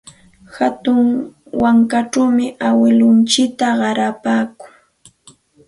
Hatun wankachawmi awkilluntsikta qarapaakuntsik.